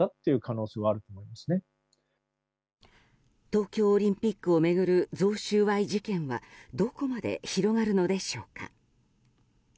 東京オリンピックを巡る贈収賄事件はどこまで広がるのでしょうか。